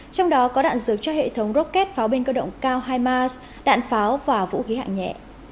trong đó có đạn dược cho hệ thống rocket pháo binh cơ động cao himas đạn pháo và vũ khí hạng nhẹ